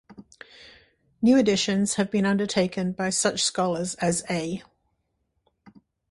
New editions have been undertaken by such scholars as A.